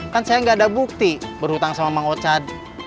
kan saya gak ada bukti berhutang sama mau cad